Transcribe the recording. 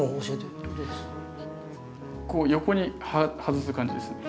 こう横に外す感じですね。